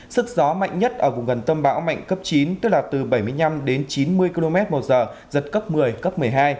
sức gió mạnh nhất ở vùng gần tâm bão mạnh cấp chín tức là từ bảy mươi năm đến chín mươi km một giờ giật cấp một mươi cấp một mươi hai